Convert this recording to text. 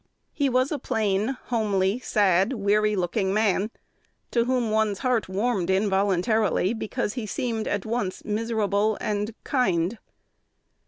He was a plain, homely, sad, weary looking man, to whom one's heart warmed involuntarily, because he seemed at once miserable and kind.